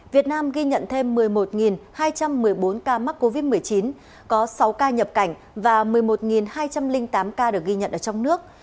việt nam ghi nhận thêm một mươi một hai trăm một mươi bốn ca mắc covid một mươi chín có sáu ca nhập cảnh và một mươi một hai trăm linh tám ca được ghi nhận ở trong nước